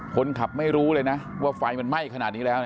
คนขับไม่รู้เลยนะว่าไฟมันไหม้ขนาดนี้แล้ว